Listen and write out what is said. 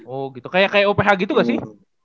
oh gitu kayak kayak oph gitu gak sih